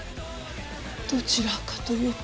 どちらかというと。